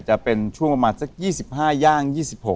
จะเป็นช่วงประมาณสัก๒๕ย่าง๒๖